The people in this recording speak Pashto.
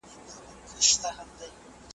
د سولې پروسه د سنجیده خبرو اړتیا لري.